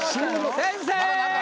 先生。